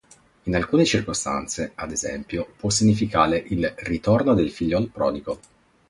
In alcune circostanze, ad esempio, può significare il "ritorno del figliol prodigo".